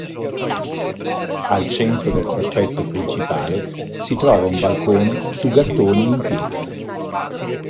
Al centro del prospetto principale si trova un balcone su gattoni in pietra.